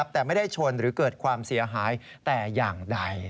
แต่ไม่ได้ชนหรือเกิดความเสียหายแต่อย่างใด